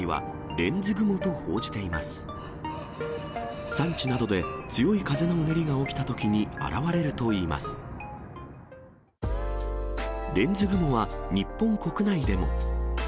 レンズ雲は、日本国内でも。